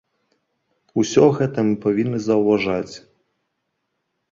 Усё гэта мы павінны заўважаць.